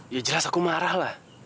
ya jelas aku marah lah